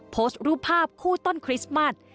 โพสต์รูปภาพคู่ต้นคริสต์มัส